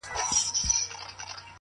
په دربار کي یوه لویه هنګامه وه،